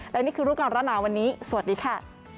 และนี่คือรู้ก่อนร้อนหนาวันนี้สวัสดีค่ะ